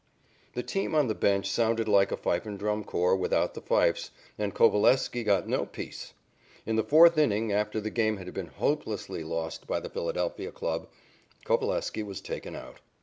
The team on the bench sounded like a fife and drum corps without the fifes, and Coveleski got no peace. In the fourth inning, after the game had been hopelessly lost by the Philadelphia club, Coveleski was taken out.